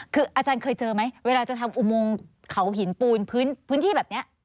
คืออาจารย์เคยเจอไหมเวลาจะทำอุโมงเขาหินปูนพื้นที่แบบนี้